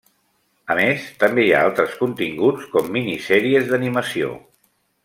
A més, també hi ha altres continguts com minisèries d'animació.